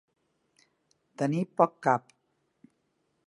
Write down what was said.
Tenir poc cap.